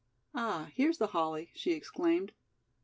"Ah, here's the holly," she exclaimed.